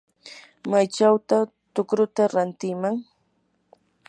¿maychawtaq tukruta rantiman?